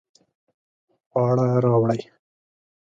خواړه راوړئ